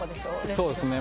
そうですね。